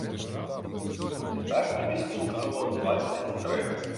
Тепер тобі стукнуло двадцять три